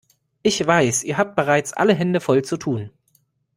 Ich weiß, ihr habt bereits alle Hände voll zu tun.